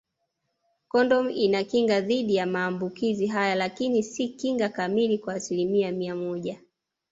Kondomu inakinga dhidi ya maambukizi hayo lakini si kinga kamili kwa asilimia mia moja